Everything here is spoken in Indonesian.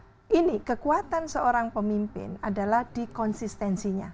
nah ini kekuatan seorang pemimpin adalah dikonsistensinya